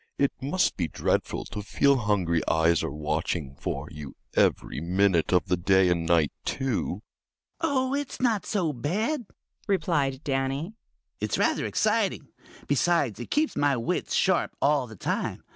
It must be dreadful to feel hungry eyes are watching for you every minute of the day and night, too." "Oh, it's not so bad," replied Danny. "It's rather exciting. Besides, it keeps my wits sharp all the time.